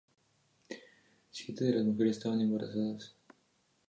Siete de las mujeres estaban embarazadas.